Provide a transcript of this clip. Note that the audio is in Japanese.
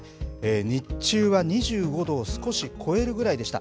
日中は２５度を少し超えるぐらいでした。